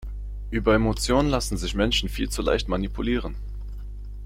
Über Emotionen lassen sich Menschen viel zu leicht manipulieren.